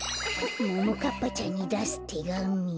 ももかっぱちゃんにだすてがみ。